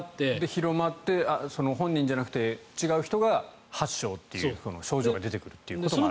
広まって本人じゃなくて違う人が発症という症状が出てくることもある。